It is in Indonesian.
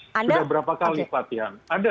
sudah berapa kali pelatihan